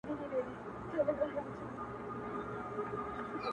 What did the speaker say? لا هم ښکاري ذهن کي-